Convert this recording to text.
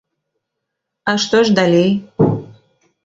А што ж далей?